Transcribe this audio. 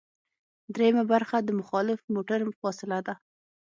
دریمه برخه د مخالف موټر فاصله ده